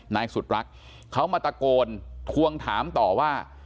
นายสุดรักเขามาตะโกนทวงถามต่อว่า